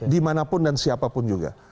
dimanapun dan siapapun juga